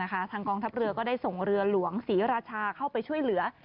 ทางกองทัพเรือก็ได้ส่งเรือหลวงศรีราชาเข้าไปช่วยเหลือ